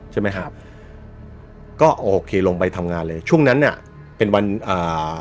ใช่ไหมครับก็โอเคลงไปทำงานเลยช่วงนั้นเนี้ยเป็นวันอ่า